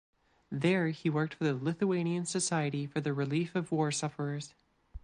There he worked for the Lithuanian Society for the Relief of War Sufferers.